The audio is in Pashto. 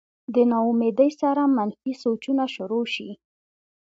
د نا امېدۍ سره منفي سوچونه شورو شي